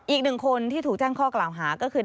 อีกหนึ่งคนที่ถูกแจ้งข้อกล่าวหาก็คือ